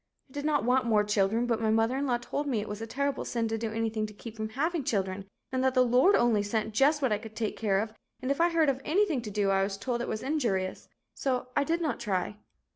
I did not want more children, but my mother in law told me it was a terrible sin to do anything to keep from having children and that the Lord only sent just what I could take care of and if I heard of anything to do I was told it was injurious, so I did not try.